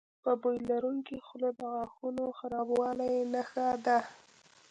بد بوی لرونکي خوله د غاښونو خرابوالي نښه ده.